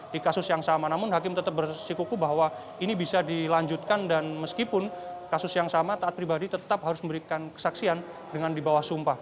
di kasus yang sama namun hakim tetap bersikuku bahwa ini bisa dilanjutkan dan meskipun kasus yang sama taat pribadi tetap harus memberikan kesaksian dengan di bawah sumpah